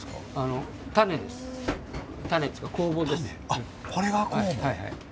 あっこれが酵母！